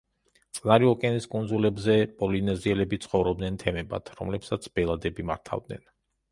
წყნარი ოკეანის კუნძულებზე პოლინეზიელები ცხოვრობდნენ თემებად, რომლებსაც ბელადები მართავდნენ.